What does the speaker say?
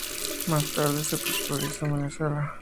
Más tarde, se popularizó en Venezuela.